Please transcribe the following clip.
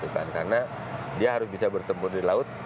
karena dia harus bisa bertempur di laut